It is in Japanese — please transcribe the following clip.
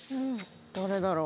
誰だろう？